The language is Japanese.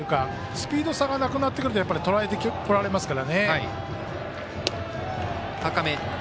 スピード差がなくなってくるととらえられますからね。